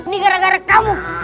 ini gara gara kamu